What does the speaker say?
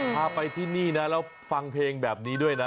พาไปที่นี่นะแล้วฟังเพลงแบบนี้ด้วยนะ